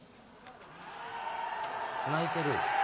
泣いてる。